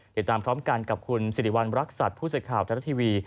เดี๋ยวตามพร้อมกันกับคุณสิริวัณรักษัตริย์ผู้เสียดข่าวทางแท็ตทีวี